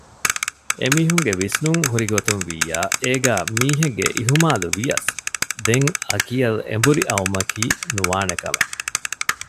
އެމީހުން ގެ ވިސްނުން ހުރިގޮތުންވިއްޔާ އޭގައި މީހެއްގެ އިހުމާލުވިޔަސް ދެން އަކިޔަލް އެނބުރި އައުމަކީ ނުވާނެކަމެއް